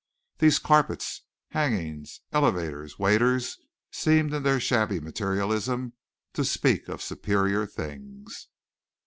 These carpets, hangings, elevators, waiters, seemed in their shabby materialism to speak of superior things.